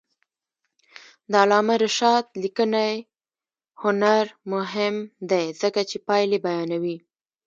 د علامه رشاد لیکنی هنر مهم دی ځکه چې پایلې بیانوي.